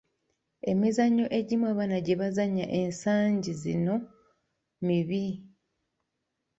Emizannyo egimu abaana gye bazannya ensangi gino mibi.